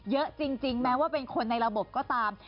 เยอะจริงแม้ว่าเป็นคนในระบบก็ตาม